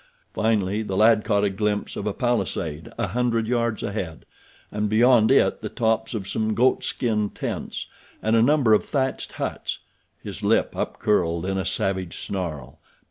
Finally the lad caught a glimpse of a palisade a hundred yards ahead, and beyond it the tops of some goatskin tents and a number of thatched huts. His lip upcurled in a savage snarl.